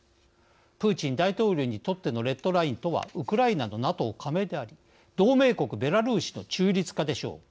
プーチン大統領にとってのレッドラインとはウクライナのＮＡＴＯ加盟であり同盟国ベラルーシの中立化でしょう。